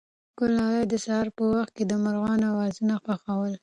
ګلالۍ د سهار په وخت کې د مرغانو اوازونه خوښول.